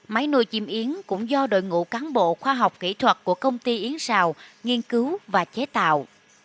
máy nuôi chim yến cũng do đội ngũ cán bộ khoa học kỹ thuật của công ty yến xào nghiên cứu và chế tạo